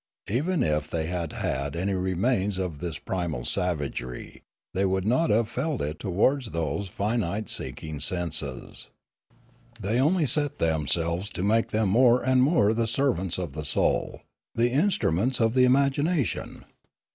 Even if they had had any remains of this primal savagery, they would not have felt it towards those finite seeking senses. They only set themselves to make them more and more the servants of the soul, the instruments of the imagination.